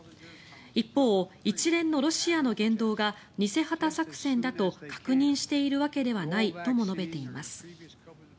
一方、一連のロシアの言動が偽旗作戦だと確認しているわけではないとも述べています。